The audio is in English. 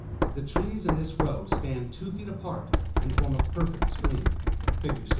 The trees in this row stand two feet apart, and form a perfect screen. (Fig. 6.)